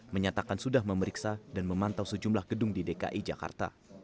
menyatakan sudah memeriksa dan memantau sejumlah gedung di dki jakarta